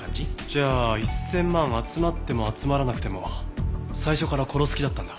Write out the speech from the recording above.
じゃあ１０００万集まっても集まらなくても最初から殺す気だったんだ。